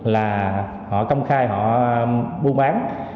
là họ công khai họ mua bán